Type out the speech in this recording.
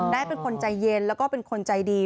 ได้เป็นคนใจเย็นแล้วก็เป็นคนใจดี